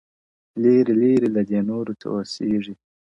لېري لېري له دې نورو څه او سېږي-